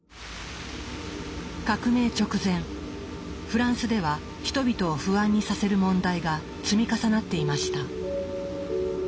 革命直前フランスでは人々を不安にさせる問題が積み重なっていました。